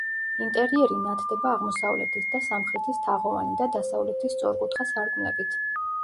ინტერიერი ნათდება აღმოსავლეთის და სამხრეთის თაღოვანი და დასავლეთის სწორკუთხა სარკმლებით.